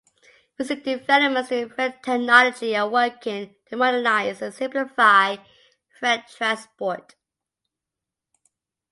Recent developments in freight technology are working to modernize and simplify freight transport.